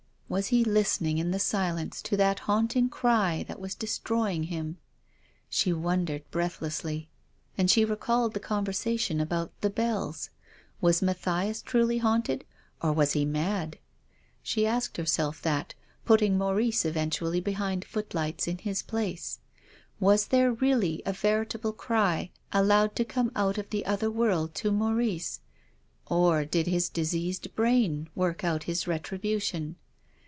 Was he listening in the silence to that haunting cry that was destroying him ? She wondered breathlessly. And she recalled the conversation about " The Bells." Was Mathias truly haunted? or was he mad? She asked herself that, putting Maurice eventually behind footlights in his place. Was THE DEAD CHILD. 213 there really a veritable cry, allowed to come out of the other world to Maurice ? or did his diseased brain work out his retribution